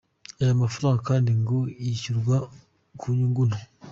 Aya mafaranga kandi ngo yishyurwa ku nyungu nto .